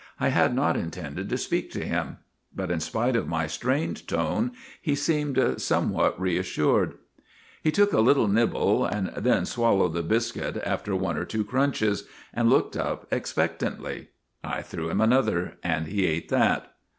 I had not intended to speak to him. But in spite of my strained tone he seemed somewhat reassured. ' He took a little nibble, and then swallowed the biscuit after one or two crunches, and looked up expectantly. I threw him another and he ate that.